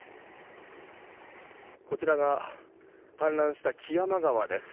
こちらが氾濫した木山川です。